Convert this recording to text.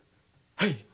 はい。